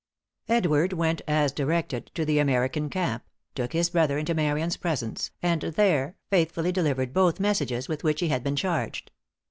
Edward went as directed to the American camp, took his brother into Marion's presence, and there faithfully delivered both messages with which he had been charged.